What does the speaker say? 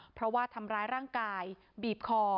เพราะว่าทำร้ายร่างกายบีบคอ